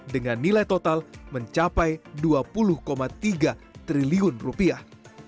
dengan nilai total mencapai dua puluh tiga triliun rupiah